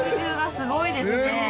すごいですよね。